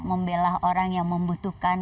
membelah orang yang membutuhkan